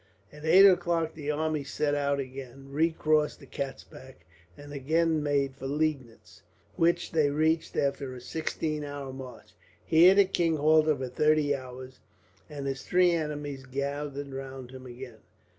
At eight o'clock the army set out again, recrossed the Katzbach, and again made for Liegnitz, which they reached after a sixteen hours' march. Here the king halted for thirty hours, and his three enemies gathered round him again.